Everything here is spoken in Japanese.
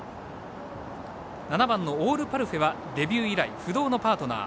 ７番オールパルフェはデビュー以来不動のパートナー